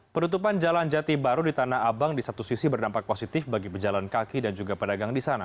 penutupan jalan jati baru di tanah abang di satu sisi berdampak positif bagi pejalan kaki dan juga pedagang di sana